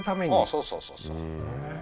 そうそうそうそうへえー